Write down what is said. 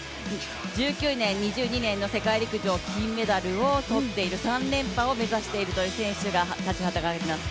１９年、２２年の世界陸上で金メダルを取っている３連覇を目指しているという選手が立ちはだかります。